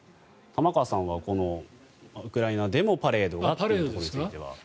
玉川さんはこのウクライナでもパレードがというところについては。